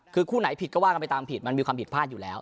คือคู่ไหนผิดก็ว่ากันไปตามผิดมันมีความผิดพลาดอยู่แล้ว